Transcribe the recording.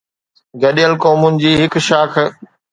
گڏيل قومن جي هڪ شاخ